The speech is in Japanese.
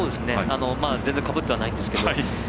全然かぶってはないんですけど。